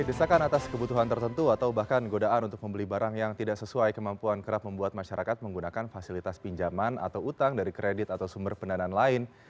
desakan atas kebutuhan tertentu atau bahkan godaan untuk membeli barang yang tidak sesuai kemampuan kerap membuat masyarakat menggunakan fasilitas pinjaman atau utang dari kredit atau sumber pendanaan lain